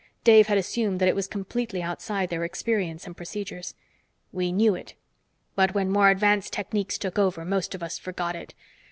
Dave had assumed that it was completely outside their experience and procedures. "We knew it. But when more advanced techniques took over, most of us forgot it.